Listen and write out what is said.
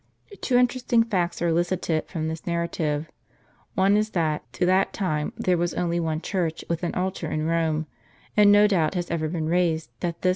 Two interesting facts are elicited from this narrative. One is, that to that time there was only one church with an altar in Rome ; and no doubt has ever been raised, that this * May the 19th.